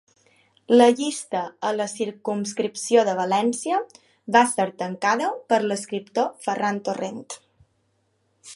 La llista a la Circumscripció de València va ser tancada per l'escriptor Ferran Torrent.